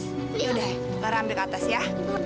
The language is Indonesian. ya udah lara ambil ke atas ya